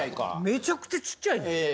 めちゃくちゃちっちゃいで。